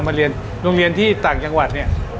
มาเรียนโรงเรียนที่ต่างจังหวัดเนี่ย